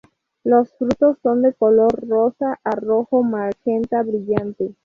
Los frutos son de color rosa a rojo magenta brillante.